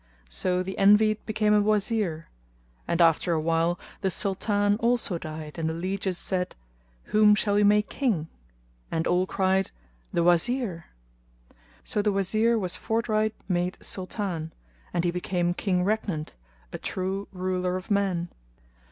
So the Envied became a Wazir; and after a while the Sultan also died and the lieges said, "Whom shall we make King?" and all cried, "The Wazir." So the Wazir was forthright made Sultan, and he became King regnant, a true ruler of men.